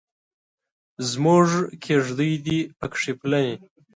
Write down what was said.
زموږ کیږدۍ دې پکې پلنې.